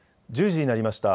１０時になりました。